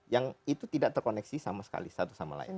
yang itu tidak terkoneksi sama sekali satu sama lain